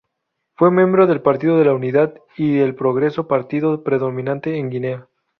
Fue miembro del Partido de la Unidad y el Progreso, partido predominante en Guinea.